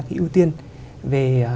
cái ưu tiên về